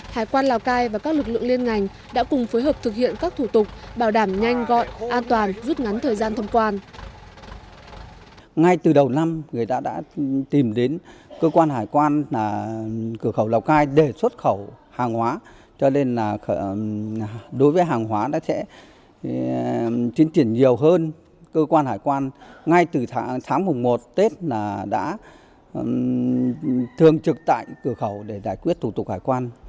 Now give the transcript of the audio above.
hải quan lào cai và các lực lượng liên ngành đã cùng phối hợp thực hiện các thủ tục bảo đảm nhanh gọn an toàn rút ngắn thời gian thông quan